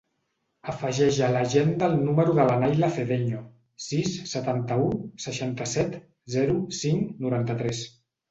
Afegeix a l'agenda el número de la Nayla Cedeño: sis, setanta-u, seixanta-set, zero, cinc, noranta-tres.